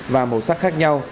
và màu sắc khác nhau